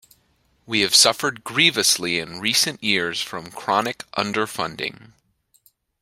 We have suffered grievously in recent years from chronic underfunding.